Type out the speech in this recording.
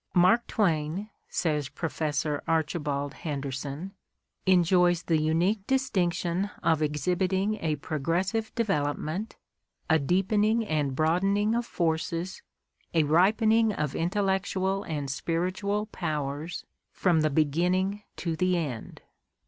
"Mark Twain," says Professor Archibald Henderson, "enjoys the unique distinction of exhibiting a progressive development, a deepening and broadening of forces, a ripening of intel lectual and spiritual powers from the beginning to the end."